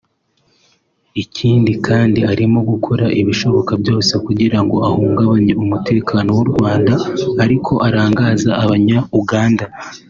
Ikindi kandi arimo gukora ibishoboka byose kugirango ahungabanye umutekano w’u Rwanda ariko arangaza abanyauganda